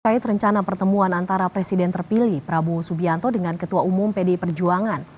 terkait rencana pertemuan antara presiden terpilih prabowo subianto dengan ketua umum pdi perjuangan